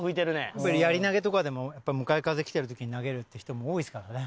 やっぱりやり投げとかでも向かい風きてる時に投げるって人も多いですからね。